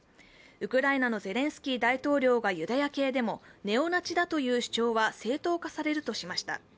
ウクライナのゼレンスキー大統領がユダヤ系でもネオナチだという主張は正当化されるとしました。